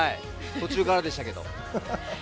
途中からでしたけど。